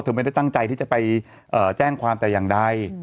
ไม่ได้ตั้งใจที่จะไปแจ้งความแต่อย่างใด